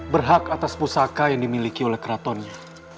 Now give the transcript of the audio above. berhak atas pusaka yang dimiliki oleh keratonnya